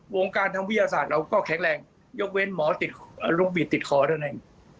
วงการธรรมวิทยาศาสตร์เราก็แข็งแรงยกเว้นหมอนกวีดติดคอด้านใน